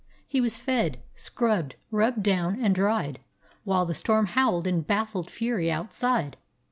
He was fed, scrubbed, rubbed down, and dried, while the storm howled in baffled fury outside.